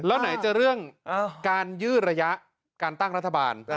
แล้วไหนจะเรื่องการยืดระยะการตั้งรัฐบาล